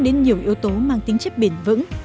đến nhiều yếu tố mang tính chất bền vững